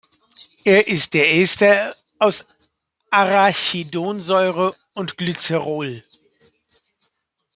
Es ist der Ester aus Arachidonsäure und Glycerol.